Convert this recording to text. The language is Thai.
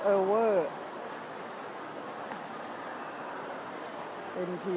เดี๋ยวจะให้ดูว่าค่ายมิซูบิชิเป็นอะไรนะคะ